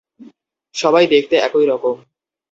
সবাই দেখতে একই রকম।